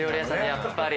やっぱり。